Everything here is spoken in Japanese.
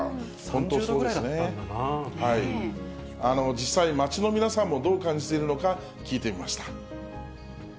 実際に街の皆さんもどう感じているのか聞いてみました。